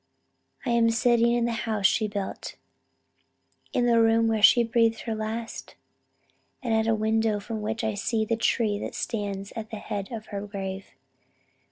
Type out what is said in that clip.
I am sitting in the house she built in the room where she breathed her last and at a window from which I see the tree that stands at the head of her grave....